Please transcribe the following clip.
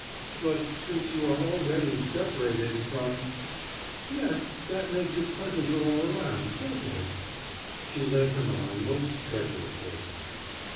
"But since you are already separated from " "Yes, that makes it pleasanter all around, doesn't it?" she led him on most treacherously.